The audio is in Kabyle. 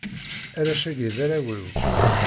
arrac-agi, d arraw-iw.